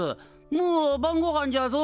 もう晩ごはんじゃぞ。